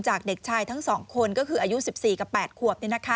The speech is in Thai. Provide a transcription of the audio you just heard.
จากเด็กชายทั้ง๒คนก็คืออายุ๑๔กับ๘ขวบ